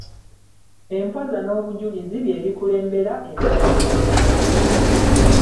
Empoza n'obujulizi bye bikulembera ensala z'emisango.